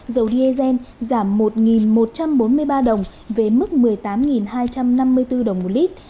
dầu diesel giảm một một trăm bốn mươi ba đồng về mức một mươi tám hai trăm năm mươi bốn đồng một lít